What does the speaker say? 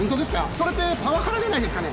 それってパワハラじゃないですかね？